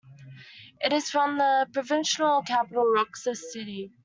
It is from the provincial capital, Roxas City.